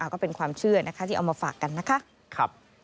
ก็เป็นความเชื่อนะคะที่เอามาฝากกันนะคะ